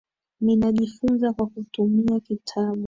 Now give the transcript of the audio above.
Ninajifunza kwa kutumia kitabu.